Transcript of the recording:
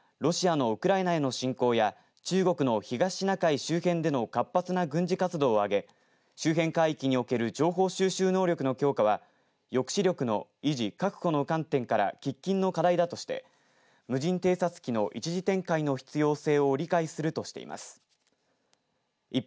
決議案ではロシアのウクライナへの侵攻や中国の東シナ海周辺での活発な軍事活動を挙げ周辺海域における情報収集能力の強化は抑止力の維持確保の観点から喫緊の課題だとして無人偵察機の一時展開の必要性を理解するとしています。